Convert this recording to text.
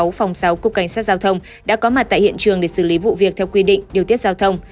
phòng sáu cục cảnh sát giao thông đã có mặt tại hiện trường để xử lý vụ việc theo quy định điều tiết giao thông